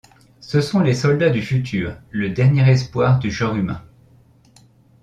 Ce sont les soldats du futur, le dernier espoir du genre humain.